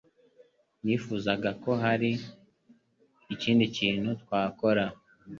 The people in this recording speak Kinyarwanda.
Nifuzaga ko hari ikindi kintu twakora.